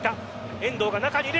遠藤が中にいる。